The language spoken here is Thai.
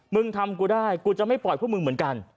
มึงทำกูได้กูจะไม่ปล่อยพวกมึงเหมือนกัน